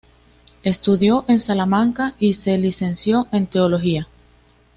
Estudió en Salamanca y se licenció en teología.